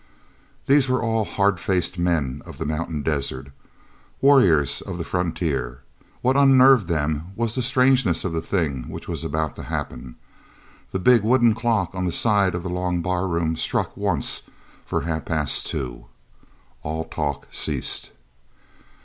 These were all hard faced men of the mountain desert, warriors of the frontier. What unnerved them was the strangeness of the thing which was about to happen. The big wooden clock on the side of the long barroom struck once for half past two. All talk ceased.